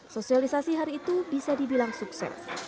sosialisasi hari itu bisa dibilang sukses